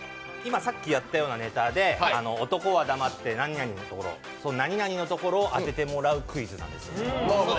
さっきやったようなネタで男は黙って何々のところ、何々のところを当ててもらうクイズです。